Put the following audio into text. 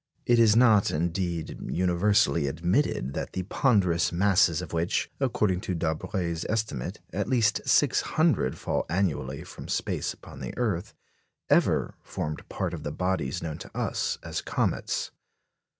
It is not, indeed, universally admitted that the ponderous masses of which, according to Daubrée's estimate, at least 600 fall annually from space upon the earth, ever formed part of the bodies known to us as comets.